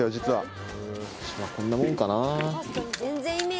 こんなもんかな。